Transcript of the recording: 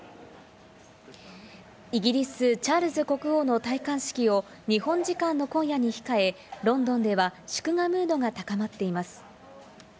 イギリス・チャールズ国王の戴冠式を日本時間の今夜に控え、ロンドンでは祝賀ムードが高まっています。